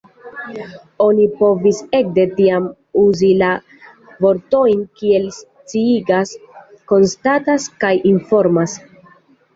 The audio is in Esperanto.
Oni povis ekde tiam uzi la vortojn kiel „sciigas“, „konstatas“ kaj „informas“.